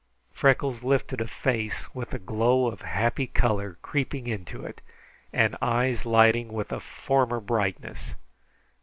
Freckles lifted a face with a glow of happy color creeping into it and eyes lighting with a former brightness.